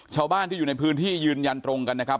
ชาวบ้านที่อยู่ในพื้นที่ยืนยันตรงกันนะครับ